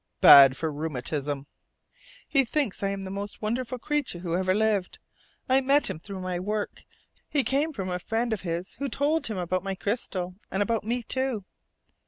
"Bad for rheumatism!" "He thinks I am the most wonderful creature who ever lived. I met him through my work. He came from a friend of his who told him about my crystal, and about me, too."